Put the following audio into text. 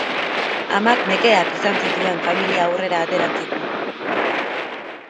Amak nekeak izan zituen familia aurrera ateratzeko.